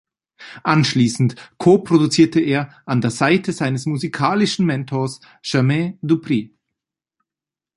Anschließend koproduzierte er an der Seite seines musikalischen Mentors Jermaine Dupri.